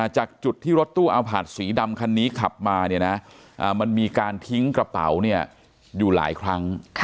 จากจุดที่รถตู้เอาผาดสีดำคันนี้ขับมามันมีการทิ้งกระเป๋าอยู่หลายครั้ง